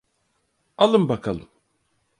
Alın bakalım.